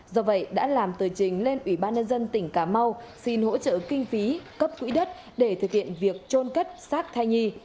do vậy đã làm tờ trình lên ủy ban nhân dân tỉnh cà mau xin hỗ trợ kinh phí cấp quỹ đất để thực hiện việc trôn cất xác thai nhi